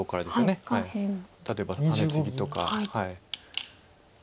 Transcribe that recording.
例えばハネツギとか。